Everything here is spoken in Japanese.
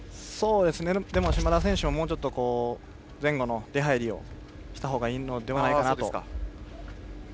でも嶋田選手ももっと前後の出入りをした方がいいのではないかなと。